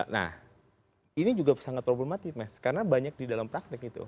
nah ini juga sangat problematis mas karena banyak di dalam praktek itu